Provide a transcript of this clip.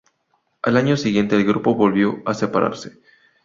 Al año siguiente el grupo volvió a separarse.